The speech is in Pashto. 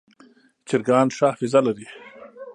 چرګان ښه حافظه لري.